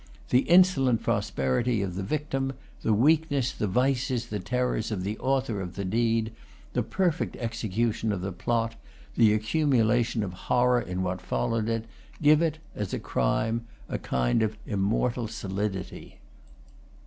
The insolent prosperity of the victim; the weakness, the vices, the terrors, of the author of the deed; the perfect execution of the plot; the accu mulation of horror in what followed it, give it, as a crime, a kind of immortal solidity.